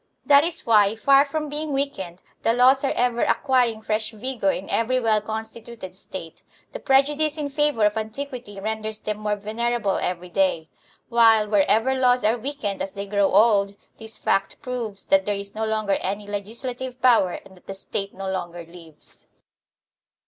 That is why, far from being weakened, the laws are ever acquir ing fresh vigor in every well constituted State; the prej udice in favor of antiquity renders them more vener able every day; while, wherever laws are weakened as they grow old, this fact proves that there is no longer any legislative power, and that the State no longer lives.